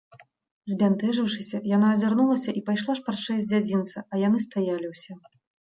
Збянтэжыўшыся, яна азірнулася і пайшла шпарчэй з дзядзінца, а яны стаялі ўсе.